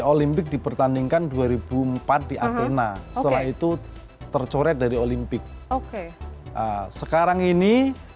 olimpik dipertandingkan dua ribu empat di athena setelah itu tercoret dari olimpik oke sekarang ini